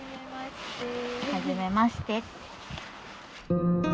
はじめまして。